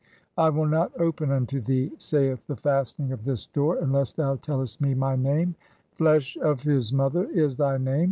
'I will not open unto thee,' saith "the fastening of this door, 'unless thou tellest [me] my name'; "'Flesh of his mother' is thy name.